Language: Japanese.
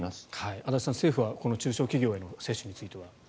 足立さん、政府はこの中小企業の職域接種について。